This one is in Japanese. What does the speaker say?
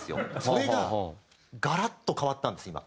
それがガラッと変わったんです今。